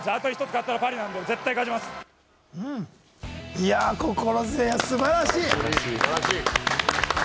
いや、心強い、素晴らしい！